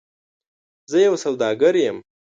زه یو سوداګر یم .